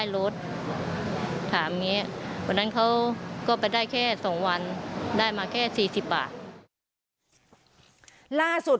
ล่าสุด